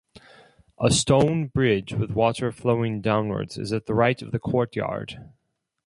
A stone bridge with water flowing downwards is at the right of the courtyard.